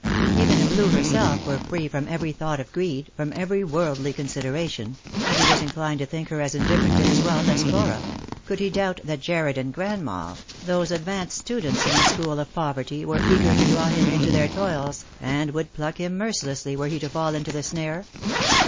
Even if Loo herself were free froip every thought of greed, from every worldly consideration— and he was inclined to think her as indifferent to his wealth as Flora — could he doubt that Jarred and grandma, those advanced stu dents in the school of poverty, were eager to draw him into their juost jor jjove. 109 toils, and would pluck him mercilessly were he to fall into th« snare